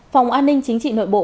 phòng an ninh chính trị nội bộ